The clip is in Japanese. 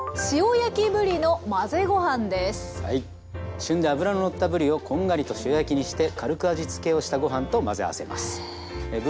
旬で脂ののったぶりをこんがりと塩焼きにして軽く味つけをしたご飯と混ぜ合わせます。